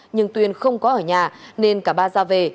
nhưng tuyên không có ở nhà nên cả ba ra về